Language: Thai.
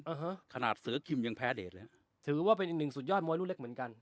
ฮะขนาดเสือคิมยังแพ้เดชเลยฮะถือว่าเป็นอีกหนึ่งสุดยอดมวยลูกเล็กเหมือนกัน